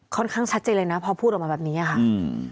ค่อนข้างชัดใจเลยนะพอพูดออกมาแบบนี้ค่ะ